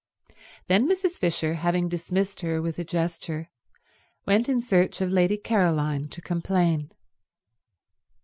Then Mrs. Fisher, having dismissed her with a gesture, went in search of Lady Caroline to complain.